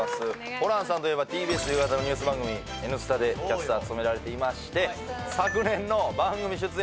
ホランさんといえばＴＢＳ夕方のニュース番組「Ｎスタ」でキャスター務められていまして昨年の番組出演